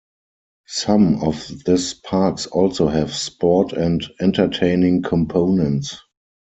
Some of this parks also have sport and entertaining components.